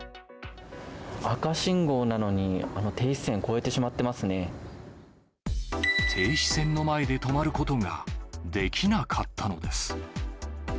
赤信号なのに、停止線の前で止まることができなかったのです。